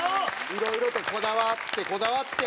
いろいろとこだわってこだわって。